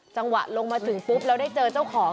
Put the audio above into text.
จังหวะลงมาถึงปุ๊บแล้วได้เจอเจ้าของ